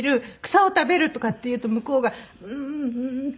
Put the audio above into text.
「草を食べる」とかって言うと向こうが「うーん」って。